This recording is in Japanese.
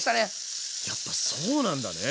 やっぱそうなんだね。